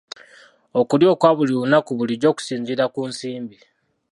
Okulya okwa buli lunaku bulijjo kusinziira ku nsimbi.